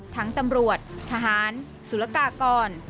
ทั้งตำรวจทหารศูลกากร